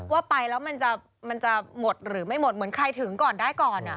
ว่าไปแล้วมันจะหมดหรือไม่หมดเหมือนใครถึงก่อนได้ก่อน